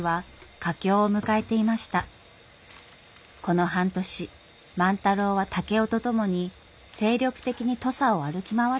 この半年万太郎は竹雄と共に精力的に土佐を歩き回ってきたのです。